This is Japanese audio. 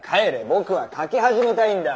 僕は描き始めたいんだ。